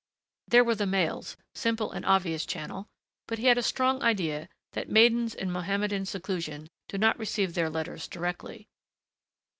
There were the mails simple and obvious channel but he had a strong idea that maidens in Mohammedan seclusion do not receive their letters directly.